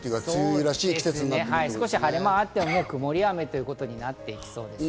晴れ間はあっても曇り、雨ということになっていきそうです。